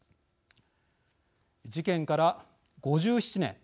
事件から５７年。